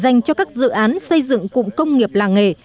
dành cho các dự án xây dựng cụm công nghiệp làng nghề